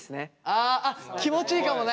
ああっ気持ちいいかもね。